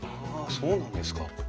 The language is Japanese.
そうなんですか。